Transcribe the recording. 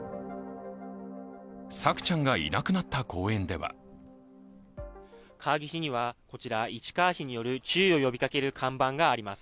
朔ちゃんがいなくなった公園では川岸にはこちら、市川市による注意を呼びかける看板があります。